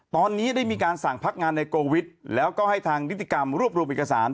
ตอนนี้ได้มีการสั่งพักงานในโกวิทแล้วก็ให้ทางนิติกรรมรวบรวมเอกสาร